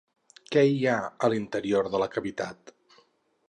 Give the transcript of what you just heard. Què hi ha a l'interior de la cavitat?